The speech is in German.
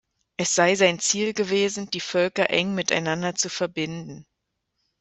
Es sei sein Ziel gewesen, die Völker eng miteinander zu verbinden.